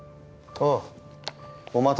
ああ。